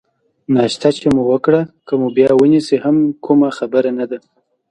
ناشته چې مو وکړه، که مو بیا ونیسي هم کومه خبره نه ده.